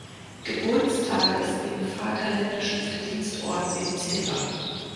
Geburtstages den Vaterländischen Verdienstorden in Silber.